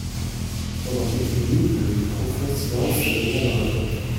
Pendant quelques minutes, le plus profond silence régna dans la grotte.